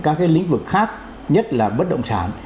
các cái lĩnh vực khác nhất là bất động sản